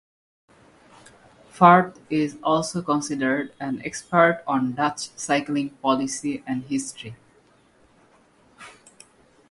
Furth is also considered an expert on Dutch cycling policy and history.